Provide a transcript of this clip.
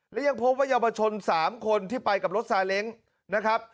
และยังพบว่าเยาวชน๓คนที่ไปกับรถซาเล้งนะครับ